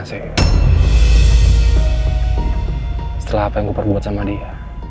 setelah apa yang gue perbuat sama dia